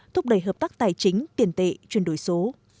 thúc đẩy hợp tác tài chính tiền tệ chuyên đổi số